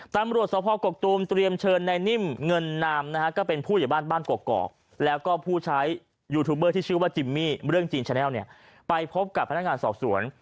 ตำรวจสภกกตูมเตรียมเชิญในนิ่มเงินนามนะฮะก็เป็นผู้ใหญ่บ้านบ้านกอกแล้วก็ผู้ใช้ยูทูบเบอร์ที่ชื่อว่าจิมมี่เรื่องจีนแชนัลเนี่ยไปพบกับพนักงานสอบสวน